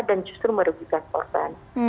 dan justru merugikan korban